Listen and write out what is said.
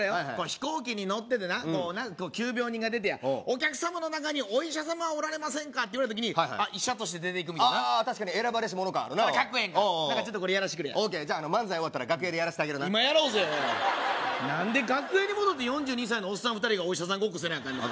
飛行機に乗っててな急病人が出てや「お客様の中にお医者様はおられませんか？」って言われた時に医者として出ていくみたいなあ確かに選ばれし者感あるなカッコええやんかちょっとこれやらせてくれやＯＫじゃあ漫才終わったら楽屋でやらせてあげるな今やろうぜおい何で楽屋に戻って４２歳のおっさん２人がお医者さんごっこせなアカンねん